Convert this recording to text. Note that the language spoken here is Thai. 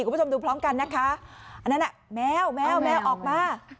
คุณผู้ชมดูพร้อมกันนะคะอันนั้นน่ะแมวแมวแมวออกมา